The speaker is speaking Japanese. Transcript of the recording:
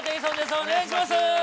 お願いします。